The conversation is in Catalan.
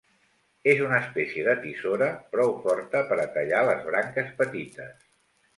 És una espècie de tisora prou forta per a tallar les branques petites.